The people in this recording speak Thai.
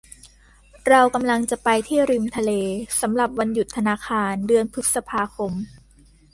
เรากำลังจะไปที่ริมทะเลสำหรับวันหยุดธนาคารเดือนพฤษภาคม